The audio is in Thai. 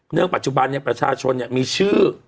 เนื่องปัจจุบันเนี่ยประชาชนเนี่ยมีชื่อ